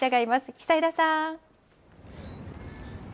久枝さん。